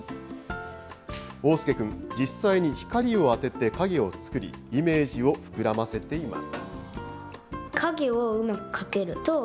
旺祐君、実際に光を当てて影を作り、イメージを膨らませています。